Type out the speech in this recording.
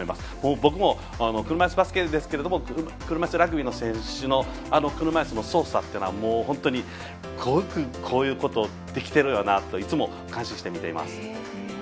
僕も車いすバスケですけど車いすラグビーの選手の車いすの操作っていうのはもう本当に、よくこういうことをできてるなといつも感心して見ています。